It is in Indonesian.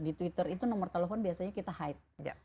di twitter itu nomor telepon biasanya kita hide